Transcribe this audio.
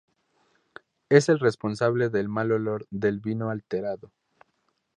Es el responsable del mal olor del vino alterado.